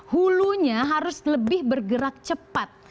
hulunya harus lebih bergerak cepat